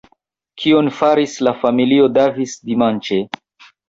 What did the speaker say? Kion faris la familio Davis dimanĉe?